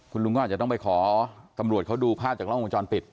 คุณลุงก็อาจจะต้องไปขอตำรวจเขาดูภาพจากล้องวงจรปิด